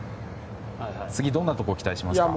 次どんなところを期待しますか？